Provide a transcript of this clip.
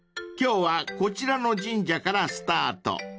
今日はこちらの神社からスタート］